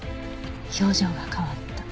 表情が変わった。